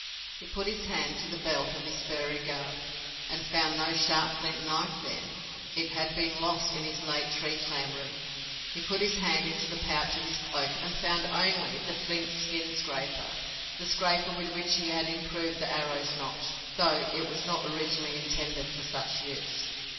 He put his hand to the belt of his furry garb and found no sharp flint knife there! It had been lost in his late tree clambering. He put his hand into the pouch of his cloak and found only the flint skin scraper, the scraper with which he had improved the arrow's notch, though it was not originally intended for such use.